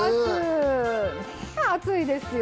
暑いですよね